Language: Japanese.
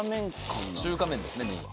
中華麺ですね麺は。